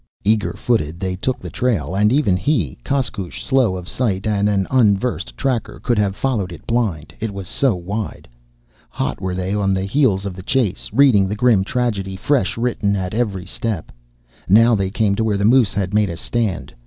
Eager footed, they took the trail, and even he, Koskoosh, slow of sight and an unversed tracker, could have followed it blind, it was so wide. Hot were they on the heels of the chase, reading the grim tragedy, fresh written, at every step. Now they came to where the moose had made a stand.